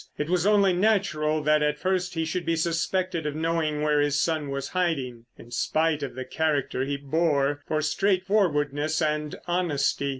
It was only natural that at first he should be suspected of knowing where his son was hiding, in spite of the character he bore for straightforwardness and honesty.